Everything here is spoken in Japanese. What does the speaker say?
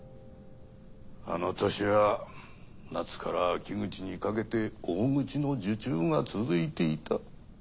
あの年は夏から秋口にかけて大口の受注が続いていた。